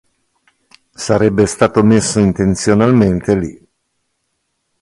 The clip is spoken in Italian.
Sarebbe stato messo intenzionalmente lì.